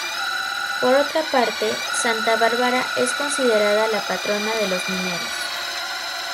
Por otra parte, Santa Bárbara es considerada la patrona de los mineros.